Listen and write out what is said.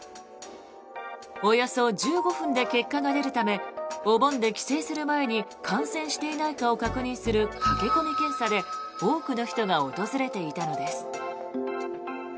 およそ１５分で結果が出るためお盆で帰省する前に感染していないかを確認する駆け込み検査で多くの人が訪れていたのです。